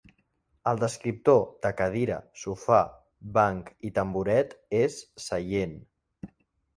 El descriptor de "cadira", "sofà", "banc" i "tamboret" és "seient".